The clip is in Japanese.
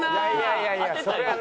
いやいやそれはないよ。